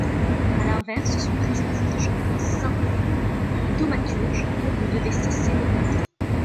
À l’inverse, son prestige comme saint et thaumaturge ne devait cesser d’augmenter.